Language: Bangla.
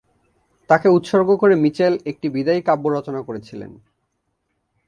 তাকে উৎসর্গ করে মিচেল একটি বিদায়ী কাব্য রচনা করেছিলেন।